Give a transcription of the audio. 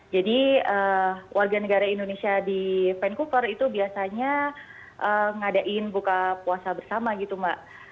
jadi warga negara indonesia di vancouver itu biasanya ngadain buka puasa bersama gitu mbak